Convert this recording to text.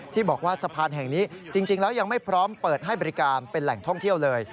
ที่บอกว่าสะพานแห่งนี้จริงแล้วยังไม่พร้อมเปิดให้บริการเป็นแหล่งท่องเที่ยวเลย